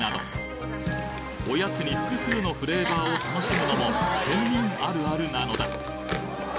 おやつに複数のフレーバーを楽しむのも県民あるあるなのだ